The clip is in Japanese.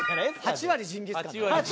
８割ジンギスカンだろ？